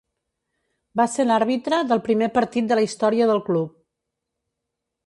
Va ser l'àrbitre del primer partit de la història del club.